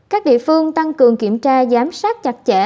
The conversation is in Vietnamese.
các địa phương tăng cường kiểm tra giám sát chặt chẽ